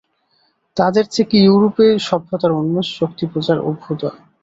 তাদের থেকে ইউরোপে সভ্যতার উন্মেষ, শক্তিপূজার অভ্যুদয়।